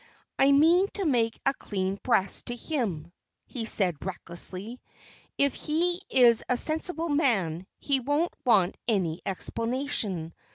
"I mean to make a clean breast to him," he said, recklessly. "If he is a sensible man, he won't want any explanation.